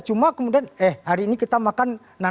cuma kemudian eh hari ini kita makan nana yang bayar ya